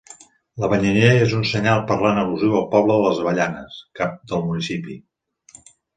L'avellaner és un senyal parlant al·lusiu al poble de les Avellanes, cap del municipi.